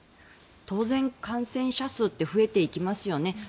当然、感染者数って増えていきますよね。